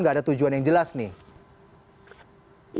gak ada tujuan yang jelas nih